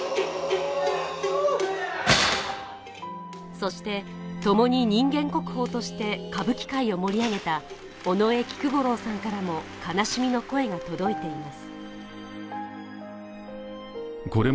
そして、ともに人間国宝として歌舞伎界を盛り上げた尾上菊五郎さんからも悲しみの声が届いています。